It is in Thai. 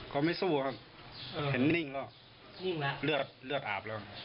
เขาไม่สู้ครับเห็นนิ่งแล้วเลือดอาบแล้ว